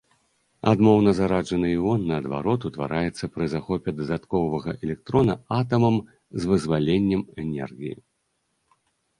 Адмоўна зараджаны іон, наадварот, утвараецца пры захопе дадатковага электрона атамам з вызваленнем энергіі.